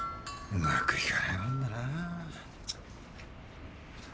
うまくいかないもんだな。